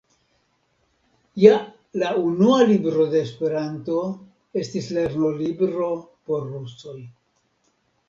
Ja la unua libro de Esperanto estis lerno-libro por rusoj.